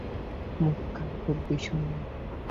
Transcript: মুখখানা খুব বিষন্ন কিন্তু শান্ত, ভয় ও উদ্বেগের ছাপটা গিয়াছে।